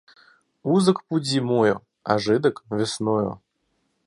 Узок путь зимою, а жидок - весною.